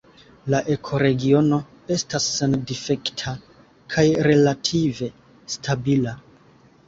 La ekoregiono estas sendifekta kaj relative stabila.